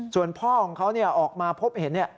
ส่วนพ่อของเขาเนี่ยออกมาพบเห็นเนี่ย